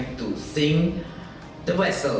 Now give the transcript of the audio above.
kami dapat mengingatkan pesan